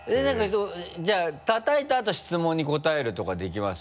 じゃあ叩いたあと質問に答えるとかできます？